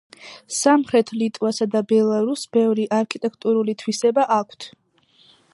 სამხრეთ ლიტვასა და ბელარუსს ბევრი არქიტექტურული თვისება აქვთ.